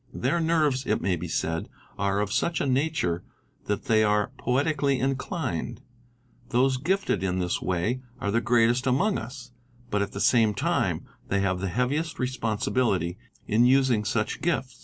'' Their nerves it may be said are of such a nature that they are poetically inclined. Those gifted in this way are the greatest amongst us, but at the same time they have the heaviest respon sibility in using such gifts.